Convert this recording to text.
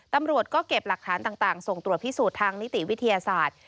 ตำรวจก็เก็บหลักฐานต่างส่งตรวจพิสูจน์ทางนิติวิทยาศาสตร์